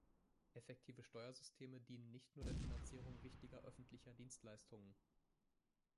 Effektive Steuersysteme dienen nicht nur der Finanzierung wichtiger öffentlicher Dienstleistungen.